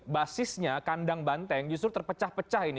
basisnya kandang banteng justru terpecah pecah ini